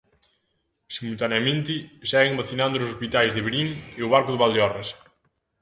Simultaneamente, seguen vacinando nos hospitais de Verín e O Barco de Valdeorras.